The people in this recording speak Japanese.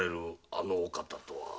あのお方とは？